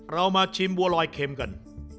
เรามาชิมบัวลอยเค็มกัน